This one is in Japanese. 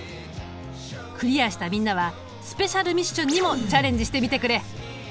クリアしたみんなはスペシャルミッションにもチャレンジしてみてくれ。